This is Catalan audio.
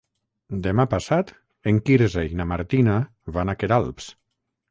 Demà passat en Quirze i na Martina van a Queralbs.